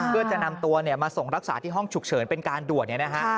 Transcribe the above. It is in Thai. เพื่อจะนำตัวมาส่งรักษาที่ห้องฉุกเฉินเป็นการด่วนเนี่ยนะฮะ